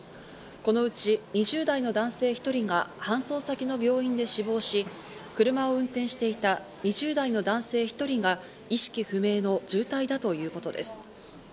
このうち２０代の男性１人が搬送先の病院で死亡し、車を運転していた２０代の男性１人が意識不明の重体だということです。